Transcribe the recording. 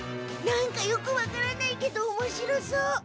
何かよく分からないけどおもしろそう！